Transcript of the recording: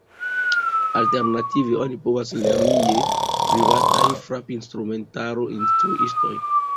Alternative oni povas lerni je privataj frapinstrumentaro-instruistoj.